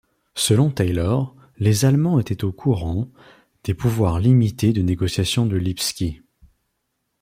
Selon Taylor, les Allemands étaient au courant des pouvoirs limités de négociation de Lipski.